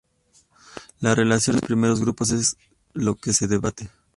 La relación entre los tres primeros grupos es lo que se debate.